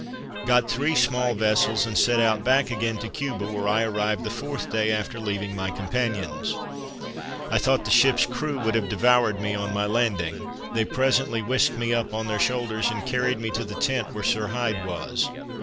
Got three small vessels, and set out back again to Cuba, where I arrived the fourth day after leaving my companions. I thought the ship's crew would have devoured me on my landing; they presently whisked me up on their shoulders and carried me to the tent where Sir Hyde was.